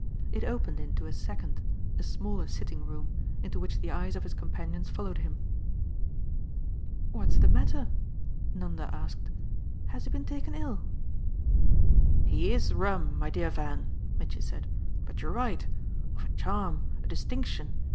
It opened into a second, a smaller sitting room, into which the eyes of his companions followed him. "What's the matter?" Nanda asked. "Has he been taken ill?" "He IS 'rum,' my dear Van," Mitchy said; "but you're right of a charm, a distinction!